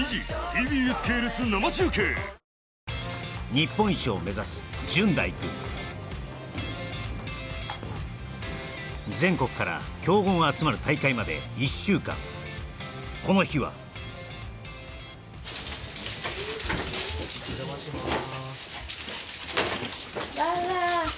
日本一を目指す純大くん全国から強豪が集まる大会まで１週間この日はお邪魔しまーす